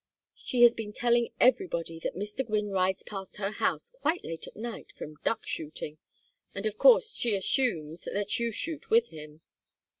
She has been telling everybody that Mr. Gwynne rides past her house quite late at night from duck shooting, and of course she assumes that you shoot with him."